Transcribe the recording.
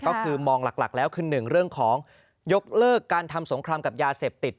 ก็คือมองหลักแล้วคือ๑เรื่องของยกเลิกการทำสงครามกับยาเสพติด